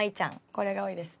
これが多いです。